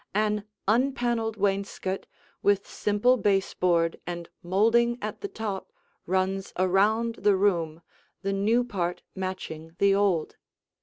An unpaneled wainscot, with simple baseboard and molding at the top, runs around the room, the new part matching the old.